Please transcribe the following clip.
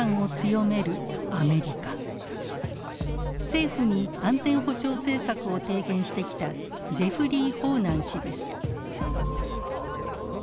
政府に安全保障政策を提言してきたジェフリー・ホーナン氏です。